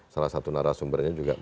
salah satu narasumbernya juga